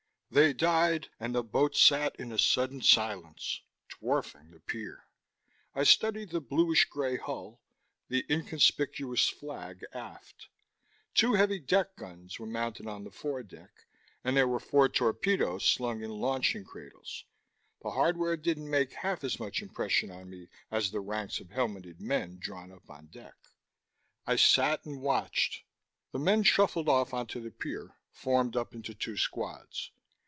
They died, and the boat sat in a sudden silence dwarfing the pier. I studied the bluish grey hull, the inconspicuous flag aft. Two heavy deck guns were mounted on the foredeck, and there were four torpedoes slung in launching cradles. The hardware didn't make half as much impression on me as the ranks of helmeted men drawn up on deck. I sat and watched. The men shuffled off onto the pier, formed up into two squads.